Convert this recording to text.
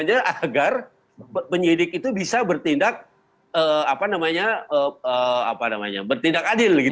agar penyidik itu bisa bertindak bertindak adil